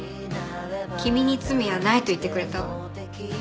君に罪はないと言ってくれたわ。